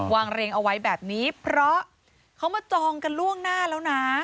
เรียงเอาไว้แบบนี้เพราะเขามาจองกันล่วงหน้าแล้วนะ